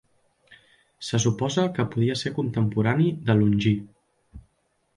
Se suposa que podia ser contemporani de Longí.